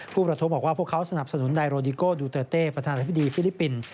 ผู้ประทบบอกว่าพวกเขาสนับสนุนนายโรดิโก้ดูเตอร์เต้ประธานาธิบดีฟิลิปปินส์